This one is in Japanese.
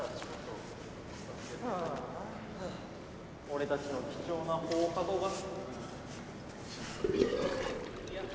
俺たちの貴重な放課後が。